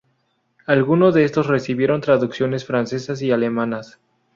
Alguno de estos recibieron traducciones francesas y alemanas.